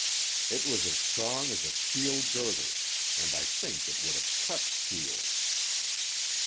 It was as strong as a steel girder, and I think it would have cut steel.